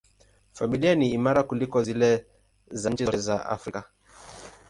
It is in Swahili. Familia ni imara kuliko zile za nchi zote za Afrika.